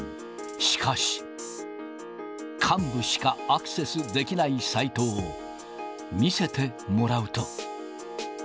しかし、幹部しかアクセスできないサイトを見せてもらうと。